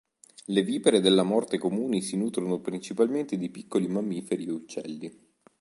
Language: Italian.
Le vipere della morte comuni si nutrono principalmente di piccoli mammiferi e uccelli.